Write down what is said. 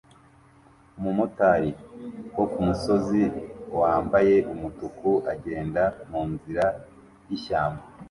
Umumotari wo kumusozi wambaye umutuku agenda munzira yishyamba